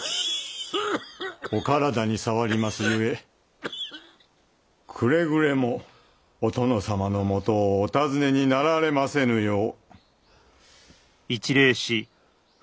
お体に障ります故くれぐれもお殿様のもとをお訪ねになられませぬよう。